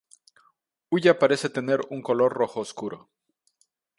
Huya parece tener un color rojo oscuro.